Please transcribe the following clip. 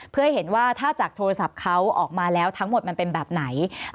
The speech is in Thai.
เพื่อให้เห็นว่าถ้าจากโทรศัพท์เขาออกมาแล้วทั้งหมดมันเป็นแบบไหน